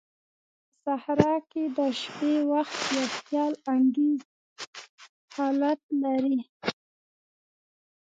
په صحراء کې د شپې وخت یو خیال انگیز حالت لري.